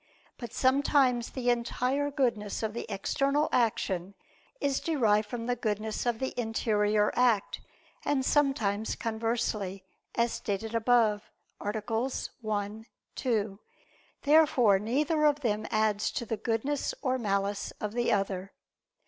But sometimes the entire goodness of the external action is derived from the goodness of the interior act, and sometimes conversely, as stated above (AA. 1, 2). Therefore neither of them adds to the goodness or malice of the other.